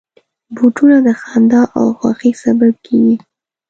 بوټونه د خندا او خوښۍ سبب کېږي.